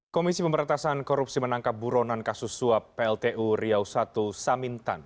komisi pemberantasan korupsi menangkap buronan kasus suap pltu riau i samintan